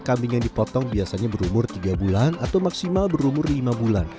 kambing yang dipotong biasanya berumur tiga bulan atau maksimal berumur lima bulan